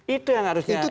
itu yang harus ditanyakan